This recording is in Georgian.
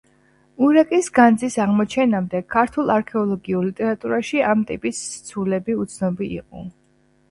ურეკის განძის აღმოჩენამდე ქართულ არქეოლოგიურ ლიტერატურაში ამ ტიპის ცულები უცნობი იყო.